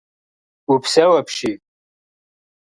Упсэу апщий.